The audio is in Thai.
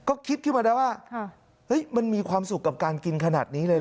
ก็คิดขึ้นมาได้ว่ามันมีความสุขกับการกินขนาดนี้เลยเหรอ